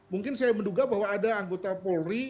mungkin saya menduga bahwa ada anggota polri